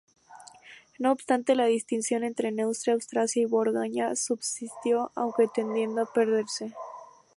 No obstante, la distinción entre Neustria, Austrasia o Borgoña subsistió, aunque tendiendo a perderse.